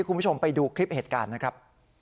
คุณผู้ชมไปดูคลิปเหตุการณ์นะครับ